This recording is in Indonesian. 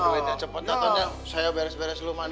duitnya cepat datang ya saya beres beres dulu mady